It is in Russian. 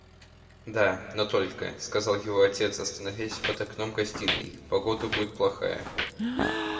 – Да, но только, – сказал его отец, остановясь под окном гостиной, – погода будет плохая.